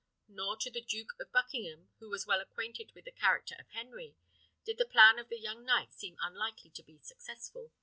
Nor to the Duke of Buckingham, who was well acquainted with the character of Henry, did the plan of the young knight seem unlikely to be successful.